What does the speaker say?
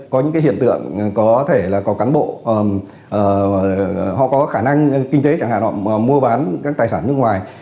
có những cái hiện tượng có thể là có cán bộ họ có khả năng kinh tế chẳng hạn họ mua bán các tài sản nước ngoài